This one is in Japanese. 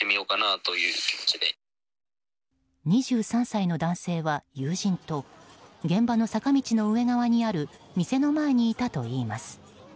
２３歳の男性は友人と現場の坂道の上側にある店の前にいたといいます。